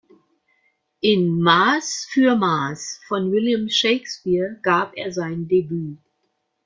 In "Maß für Maß" von William Shakespeare gab er sein Debüt.